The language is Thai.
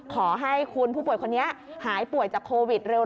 ขอให้คุณผู้ป่วยคนนี้หายป่วยจากโควิดเร็ว